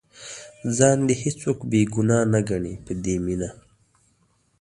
ځان دې هېڅوک بې ګناه نه ګڼي په دې مینه.